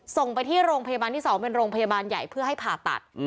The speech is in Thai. ส่งไปที่โรงพยาบาลที่๒เป็นโรงพยาบาลใหญ่เพื่อให้ผ่าตัด